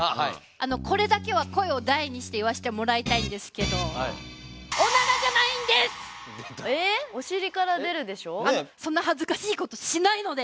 これだけは声を大にして言わせてもらいたいんですけどそんな恥ずかしいことしないので！